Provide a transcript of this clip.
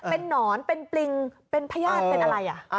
เป็นนอนเป็นปริงเป็นพญาติเป็นอะไร